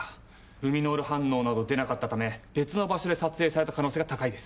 ルミノール反応など出なかったため別の場所で撮影された可能性が高いです。